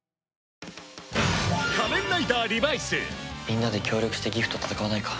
みんなで協力してギフと戦わないか？